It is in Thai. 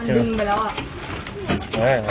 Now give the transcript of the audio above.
ฝากบัวนาน